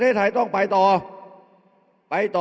เอาข้างหลังลงซ้าย